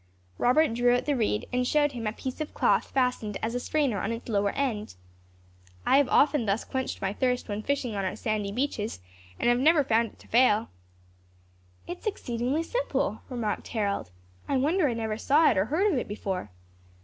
Robert drew out the reed, and showed him a piece of cloth fastened as a strainer on its lower end. "I have often thus quenched my thirst when fishing on our sandy beaches, and have never found it to fail." "It is exceedingly simple," remarked Harold. "I wonder I never saw it nor heard of it before."